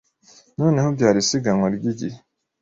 Noneho byari isiganwa ryigihe.